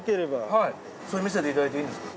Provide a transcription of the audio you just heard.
はいそれ見せていただいていいですか？